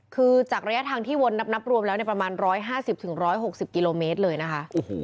คือจากระยะทางที่วนนับรวมแล้วประมาณ๑๕๐๑๖๐กิโลเมตรเลยนะคะ